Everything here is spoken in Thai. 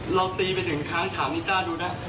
เราตีไปถึงขั้นถามลิต้าดูนะ